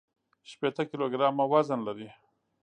شپېته کيلوګرامه وزن لري.